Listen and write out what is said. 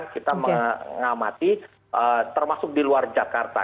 kita mengamati termasuk di luar jakarta